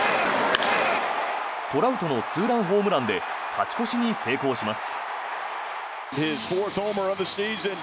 トラウトのツーランホームランで勝ち越しに成功します。